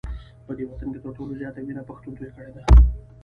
په دې وطن کي تر ټولو زیاته وینه پښتون توی کړې ده